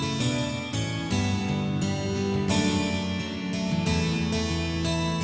tapi kamu cita an dulu sayang ya